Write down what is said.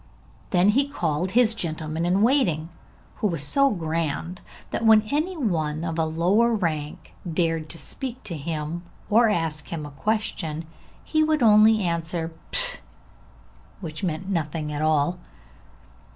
Then he called his gentleman in waiting, who was so grand that when any one of a lower rank dared to speak to him, or to ask him a question, he would only answer 'P,' which means nothing at all.